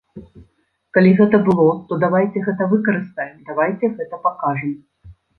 Калі гэта было, то давайце гэта выкарыстаем, давайце гэта пакажам.